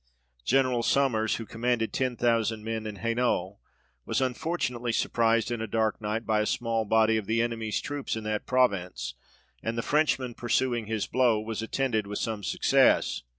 General Sommers, who commanded ten thousand men in Hainault, was unfortunately surprised in a dark night, by a small body of the enemies troops in that province, and the Frenchr man pursuing his blow, was attended with some success.